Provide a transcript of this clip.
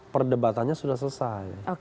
perdebatannya sudah selesai